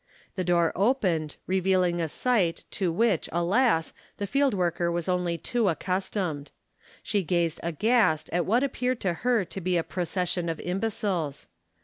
The door opened, revealing a sight to which, alas, the field worker was only too accustomed. She gazed aghast at what appeared to her to be a procession of imbeciles.